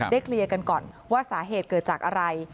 เคลียร์กันก่อนว่าสาเหตุเกิดจากอะไร